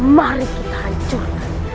mari kita hancurkan